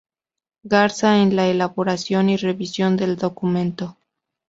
Garza en la elaboración y revisión del documento.